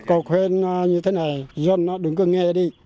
cô khuyên như thế này dân đó đừng có nghe đi